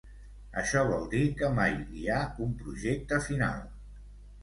Això vol dir que mai hi ha un projecte final.